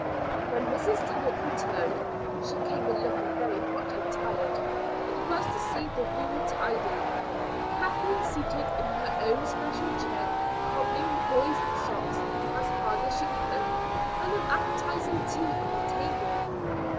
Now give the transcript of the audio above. When Mrs. Tennant returned (she came in looking very hot and tired), it was to see the room tidy, Kathleen seated in her own special chair cobbling the boys' socks as hard as she could, and an appetizing tea on the table.